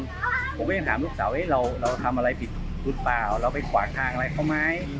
ผมก็ยังถามลูกสาวเราทำอะไรผิดหรือเปล่าเราไปขวางทางอะไรเขาไหม